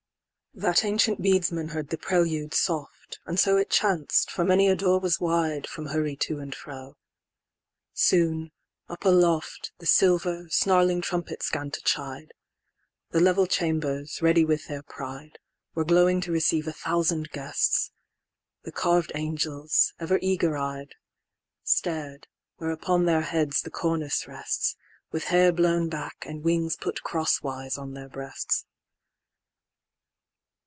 IV.That ancient Beadsman heard the prelude soft; And so it chanc'd, for many a door was wide, From hurry to and fro. Soon, up aloft, The silver, snarling trumpets 'gan to chide:The level chambers, ready with their pride, Were glowing to receive a thousand guests:The carved angels, ever eager eyed, Star'd, where upon their heads the cornice rests, With hair blown back, and wings put cross wise on their breasts.